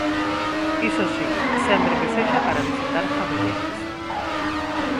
Iso si, sempre que sexa para visitar familiares.